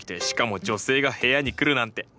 しかも女性が部屋に来るなんて。